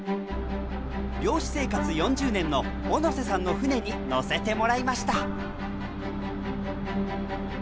漁師生活４０年の小野瀬さんの船に乗せてもらいました。